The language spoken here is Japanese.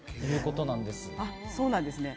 そうなんですね。